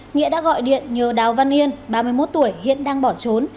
nghĩa đã gọi điện nhờ đào văn yên ba mươi một tuổi hiện đang bỏ trốn